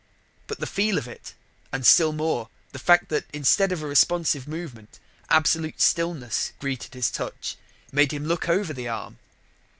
But the feel of it, and still more the fact that instead of a responsive movement, absolute stillness greeted his touch, made him look over the arm.